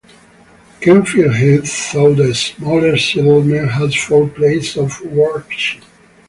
Kenfig Hill, though a smaller settlement, has four places of worship.